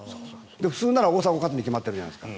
普通なら大迫が勝つに決まってるじゃないですか。